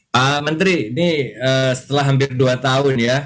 pak menteri ini setelah hampir dua tahun ya